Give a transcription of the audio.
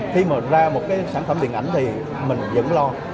khi mà ra một cái sản phẩm điện ảnh thì mình vẫn lo